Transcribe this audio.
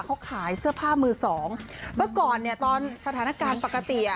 เขาขายเสื้อผ้ามือสองเมื่อก่อนเนี่ยตอนสถานการณ์ปกติอ่ะ